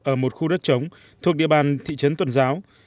ở một khu đất trống thuộc địa bàn thị trấn tuần giáo